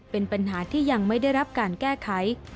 เป็นปัญหาที่ยังไม่ได้รับการแก้ไข